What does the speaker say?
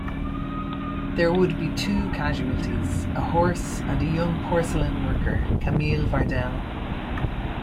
There would be two casualties: a horse and a young porcelain worker, Camille Vardelle.